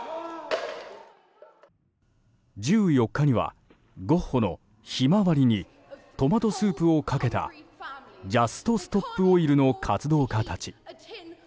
１４日にはゴッホの「ひまわり」にトマトスープをかけたジャスト・ストップ・オイルの活動家たち。